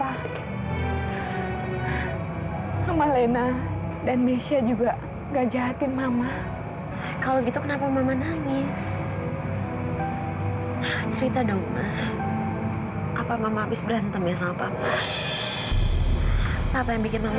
hai ama lena dan mesya juga gajah atin mama kalau gitu kenapa mama nangis cerita domar apa mama abis berantem ya sama papa apa yang bikin nangis